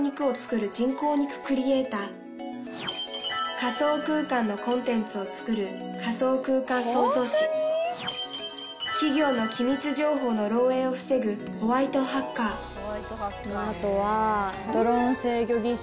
「仮想空間のコンテンツをつくる仮想空間創造師」「企業の機密情報の漏えいを防ぐホワイトハッカー」後はドローン制御技師。